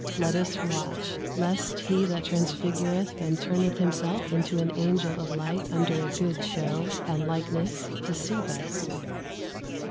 Let us watch, lest he that transfigureth and turneth himself into an angel of light under a good show and likeness deceive us."